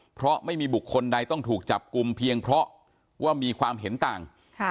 เพราะไม่มีบุคคลใดต้องถูกจับกลุ่มเพียงเพราะว่ามีความเห็นต่าง